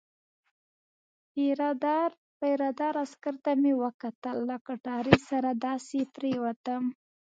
پیره دار عسکر ته مې وکتل، له کټارې سره داسې پرېوتم.